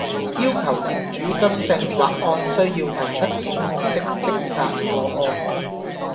要求業主更正或按需要提出檢控的積壓個案